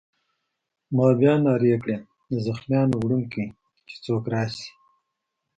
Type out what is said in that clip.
ما بیا نارې کړې: د زخمیانو وړونکی! چې څوک راشي.